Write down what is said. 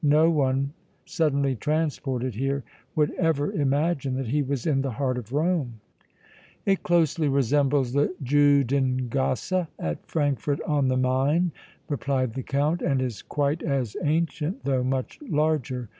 No one, suddenly transported here, would ever imagine that he was in the heart of Rome." "It closely resembles the Judengasse at Frankfort on the Main," replied the Count, "and is quite as ancient though much larger.